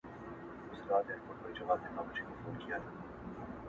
قاسم یار وایي خاونده ټول جهان راته شاعر کړ,